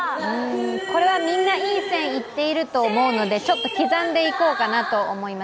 これはみんな、いい線いっていると思うので、ちょっと刻んでいこうかなと思います。